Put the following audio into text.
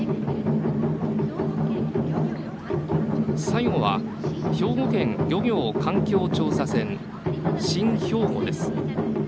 最後は兵庫県漁業・環境調査船「新ひょうご」です。